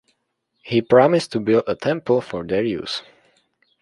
He promised to build a temple for their use.